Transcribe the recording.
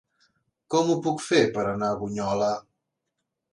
Com ho puc fer per anar a Bunyola?